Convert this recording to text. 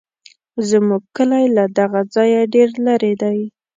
زموږ کلی له دغه ځایه ډېر لرې دی.